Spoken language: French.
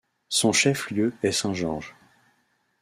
Son chef-lieu est Saint-Georges.